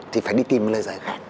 thì phải đi tìm một lời giải khác